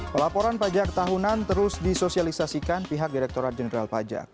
pelaporan pajak tahunan terus disosialisasikan pihak direkturat jenderal pajak